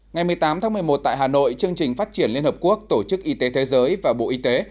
ngày một mươi tám tháng một mươi một tại hà nội chương trình phát triển liên hợp quốc tổ chức y tế thế giới và bộ y tế